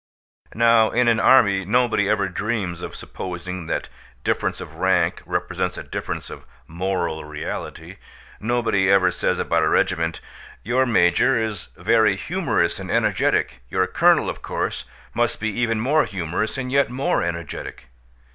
Now in an army nobody ever dreams of supposing that difference of rank represents a difference of moral reality. Nobody ever says about a regiment, "Your Major is very humorous and energetic; your Colonel, of course, must be even more humorous and yet more energetic."